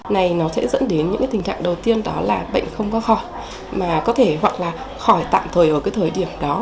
này nó sẽ dẫn đến những tình trạng đầu tiên đó là bệnh không qua khỏi mà có thể hoặc là khỏi tạm thời ở cái thời điểm đó